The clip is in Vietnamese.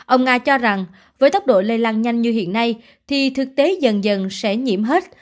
ông nga cho rằng với tốc độ lây lan nhanh như hiện nay thì thực tế dần dần sẽ nhiễm hết